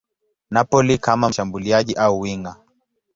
Napoli kama mshambuliaji au winga.